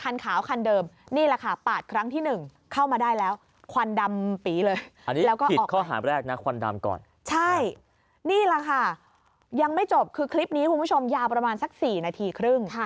นี่แหละค่ะยังไม่จบคือคลิปนี้คุณผู้ชมยาวประมาณสัก๔นาทีครึ่ง